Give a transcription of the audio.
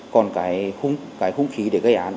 còn cái khung khí để gây án